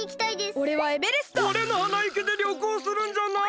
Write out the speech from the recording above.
おれのはないきでりょこうするんじゃない！